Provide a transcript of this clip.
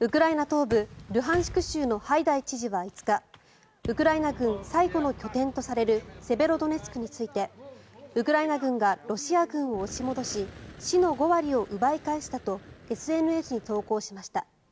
ウクライナ東部ルハンシク州のハイダイ知事は５日ウクライナ軍最後の拠点とされるセベロドネツクについてウクライナ軍がロシア軍を押し戻し市の５割を奪い返したとＳＮＳに投稿しました。